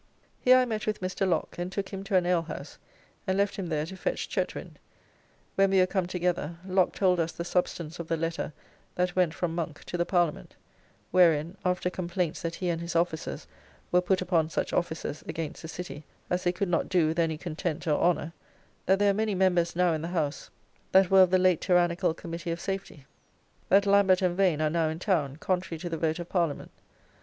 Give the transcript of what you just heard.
Here I met with Mr. Lock, and took him to an alehouse, and left him there to fetch Chetwind; when we were come together, Lock told us the substance of the letter that went from Monk to the Parliament; wherein, after complaints that he and his officers were put upon such offices against the City as they could not do with any content or honour, that there are many members now in the House that were of the late tyrannical Committee of Safety. That Lambert and Vane are now in town, contrary to the vote of Parliament.